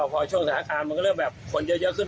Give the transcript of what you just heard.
พอช่วงสถานการณ์มันก็เริ่มแบบคนเยอะขึ้น